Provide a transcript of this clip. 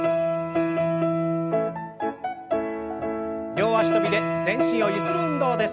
両脚跳びで全身をゆする運動です。